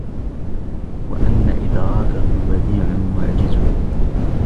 وَأَنَّ إدْرَاكَهُ بَدِيعٌ مُعْجِزٌ